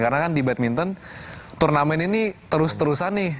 karena kan di badminton turnamen ini terus terusan nih